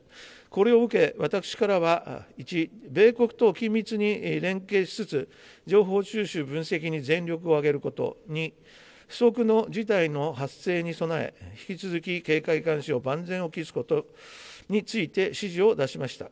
これを受け、私からは１、米国と緊密に連携しつつ、情報収集、分析に全力を挙げること、２、不測の事態の発生に備え、引き続き警戒監視を万全を期すことについて、指示を出しました。